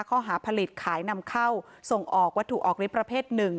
ข้อหาผลิตขายนำเข้าส่งออกวัตถุออกฤทธิประเภท๑